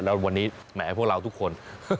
แล้ววันนี้แหมพวกเราทุกคน